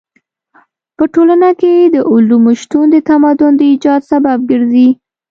په ټولنه کې د علومو شتون د تمدن د ايجاد سبب ګرځي.